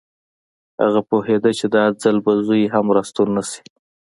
هغه پوهېده چې دا ځل به زوی هم راستون نه شي